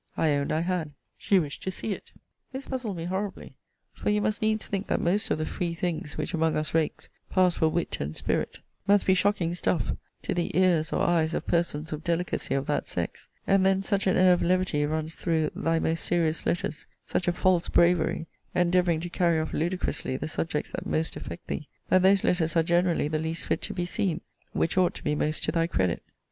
I owned I had. She wished to see it. This puzzled me horribly: for you must needs think that most of the free things, which, among us rakes, pass for wit and spirit, must be shocking stuff to the ears or eyes of persons of delicacy of that sex: and then such an air of levity runs through thy most serious letters; such a false bravery, endeavouring to carry off ludicrously the subjects that most affect thee; that those letters are generally the least fit to be seen, which ought to be most to thy credit.